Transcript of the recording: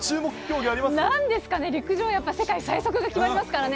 なんですかね、やっぱり陸上、世界最速が決まりますからね。